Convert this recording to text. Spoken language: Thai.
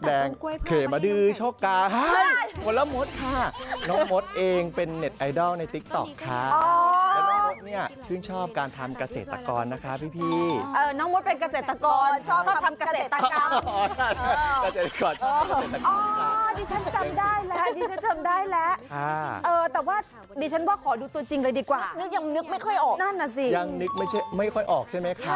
เบียบนะน่ะสิงั้นยังนึกไม่ใช่ไม่ค่อยออกใช่ไหมคะ